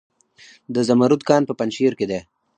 د زمرد کان په پنجشیر کې دی